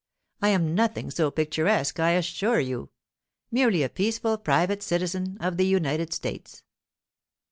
I am nothing so picturesque, I assure you—merely a peaceful private citizen of the United States.